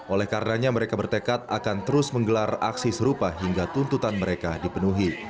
oleh karenanya mereka bertekad akan terus menggelar aksi serupa hingga tuntutan mereka dipenuhi